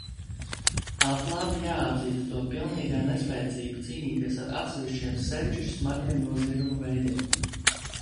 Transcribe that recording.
Atklāti jāatzīst to pilnīgā nespēcība cīnīties ar atsevišķiem sevišķi smagiem noziegumu veidiem.